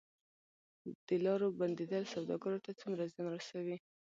د لارو بندیدل سوداګرو ته څومره زیان رسوي؟